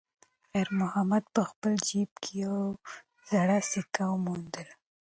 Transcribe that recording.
خیر محمد په خپل جېب کې یوه زړه سکه وموندله.